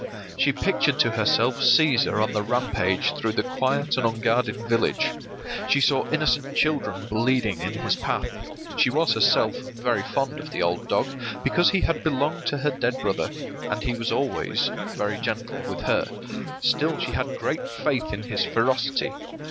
She pictured to herself Cæsar on the rampage through the quiet and unguarded village. She saw innocent children bleeding in his path. She was herself very fond of the old dog, because he had belonged to her dead brother, and he was always very gentle with her; still she had great faith in his ferocity.